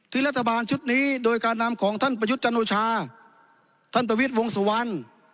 รัฐบาลชุดนี้โดยการนำของท่านประยุทธ์จันโอชาท่านประวิทย์วงสุวรรณ